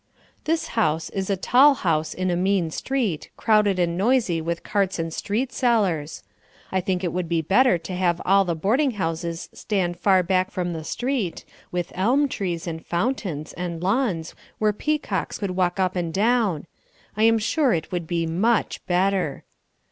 This house is a tall house in a mean street, crowded and noisy with carts and street sellers. I think it would be better to have all the boarding houses stand far back from the street with elm trees and fountains and lawns where peacocks could walk up and down. I am sure it would be MUCH better.